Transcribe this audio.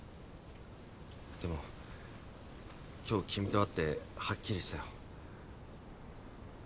でも今日君と会ってはっきりしたよ。